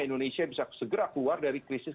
indonesia bisa segera keluar dari krisis